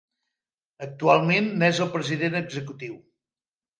Actualment n'és el president executiu.